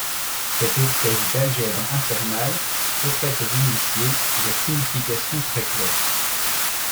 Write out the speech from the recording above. Cette espèce d’algèbre infernale offrait aux initiés des significations très claires.